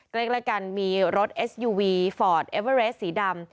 ก็เรียกแล้วกันมีรถเอสยูวีฟอร์ดเอเวรสสีดำ